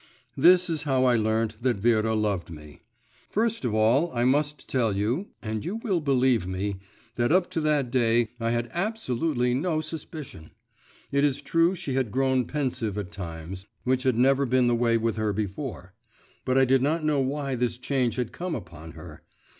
This is how I learnt that Vera loved me. First of all I must tell you (and you will believe me) that up to that day I had absolutely no suspicion. It is true she had grown pensive at times, which had never been the way with her before; but I did not know why this change had come upon her.